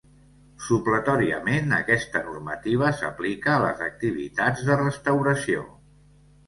Supletòriament aquesta normativa s'aplica a les activitats de restauració.